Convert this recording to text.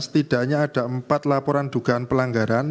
setidaknya ada empat laporan dugaan pelanggaran